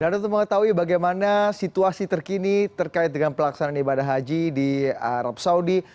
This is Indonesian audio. dan untuk mengetahui bagaimana situasi terkini terkait dengan pelaksanaan ibadah haji di arab saudi